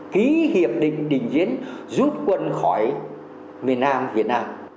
ký hiệp định đình diễn rút quân khỏi miền nam việt nam